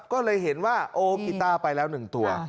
ก็เลยเห็นว่าโอกีต้าไปแล้ว๑ตัว